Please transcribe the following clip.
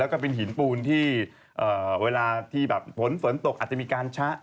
แล้วก็เป็นหินปูนที่เวลาที่แบบฝนฝนตกอาจจะมีการชะ